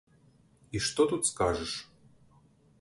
І што тут скажаш?